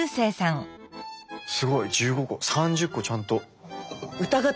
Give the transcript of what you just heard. すごい！１５個３０個ちゃんと。